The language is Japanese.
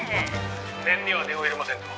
「念には念を入れませんと」